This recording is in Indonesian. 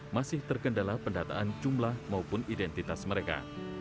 masih terkendala pendataan jumlah maupun identitas mereka